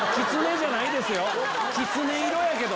きつね色やけど。